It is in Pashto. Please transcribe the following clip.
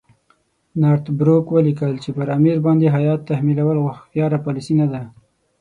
نارت بروک ولیکل چې پر امیر باندې هیات تحمیلول هوښیاره پالیسي نه ده.